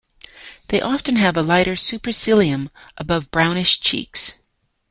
They often have a lighter supercilium above brownish cheeks.